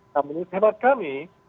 namun tempat kami